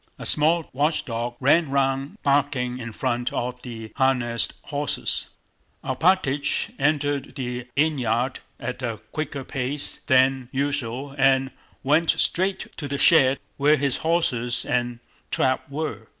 A small watchdog ran round barking in front of the harnessed horses. Alpátych entered the innyard at a quicker pace than usual and went straight to the shed where his horses and trap were.